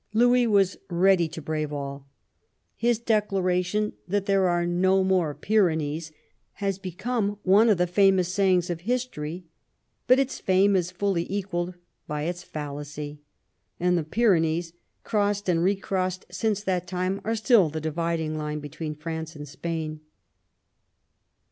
Louis was ready to brave all. His declaration that there are no more Pyrenees has become one of the famous sayings of history, but its fame is fully equalled by its fallacy, and the Pyrenees, crossed and recrossed since that time, are still the dividing^line between France and Spain.